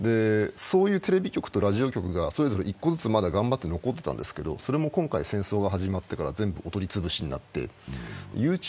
そういうテレビ局とラジオ局がそれぞれ１個ずつ残って頑張ってたんですけど、それも今回、戦争が始まってから全部取り潰しになってる。